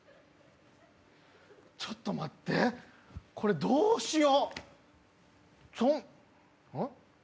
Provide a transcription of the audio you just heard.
ちょっと待って、これどうしよ。